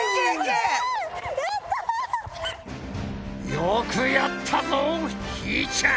よくやったぞひーちゃん！